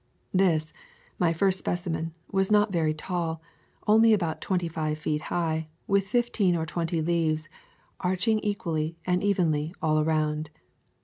This, my first specimen, was not very tall, only about twenty five feet high, with fifteen or twenty leaves, arching equally and evenly all around.